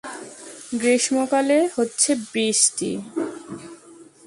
গ্রীষ্মকালে হচ্ছে বৃষ্টি!